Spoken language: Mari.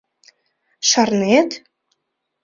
Шарнет?..